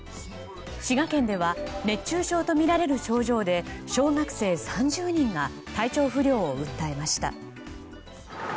滋賀県では熱中症とみられる症状で小学生３０人が体調不良を訴えました。